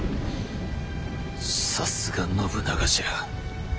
さすが信長じゃ。